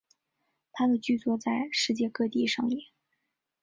他的剧作在世界各地上演。